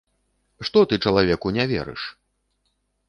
Што ты чалавеку не верыш?